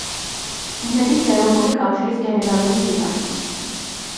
იმედის ეროვნული კავშირის გენერალური მდივანი.